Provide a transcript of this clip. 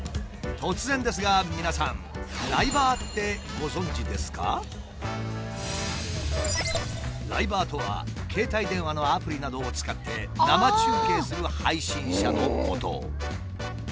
突然ですが皆さん「ライバー」とは携帯電話のアプリなどを使って生中継する配信者のこと。